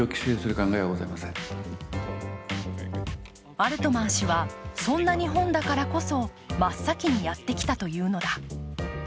アルトマン氏は、そんな日本だからこそ真っ先にやってきたというのだ。